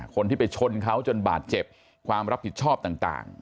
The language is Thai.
คนที่ไปชนเขาจนบาดเจ็บความรับผิดชอบต่าง